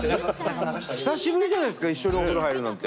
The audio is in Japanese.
久しぶりじゃないですか一緒にお風呂入るなんて。